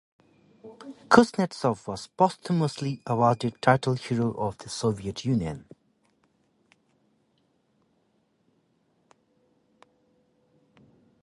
Kuznetsov was posthumously awarded the title Hero of the Soviet Union.